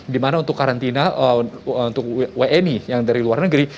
di mana untuk karantina untuk wni yang dari luar negeri